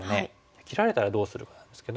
切られたらどうするかなんですけども。